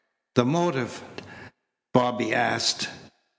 "The motive?" Bobby asked.